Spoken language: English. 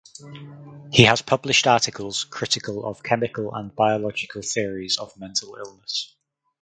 He has published articles critical of chemical and biological theories of mental illness.